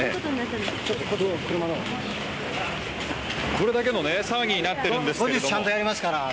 これだけの騒ぎになってるんですけども。